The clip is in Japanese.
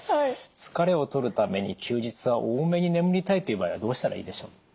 疲れを取るために休日は多めに眠りたいという場合はどうしたらいいでしょう？